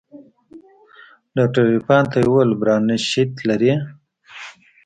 ډاکتر عرفان ته يې وويل برانشيت لري.